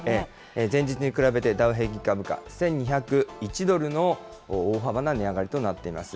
前日に比べてダウ平均株価１２０１ドルの大幅な値上がりとなっています。